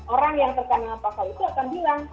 orang yang terkena pasal itu akan bilang